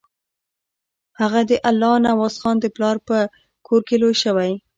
هغه د الله نوازخان د پلار په کور کې لوی شوی.